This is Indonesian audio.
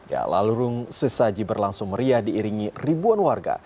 ya lalurung sesaji berlangsung meriah diiringi ribuan warga